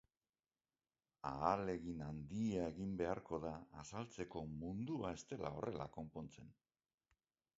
Ahalegin handia egin beharko da azaltzeko mundua ez dela horrela konpontzen.